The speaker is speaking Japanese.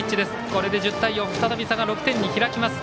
これで１０対４再びさが６点に開きます。